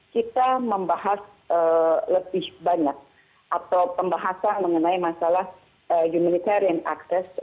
kita membahas lebih banyak atau pembahasan mengenai masalah humanitarian access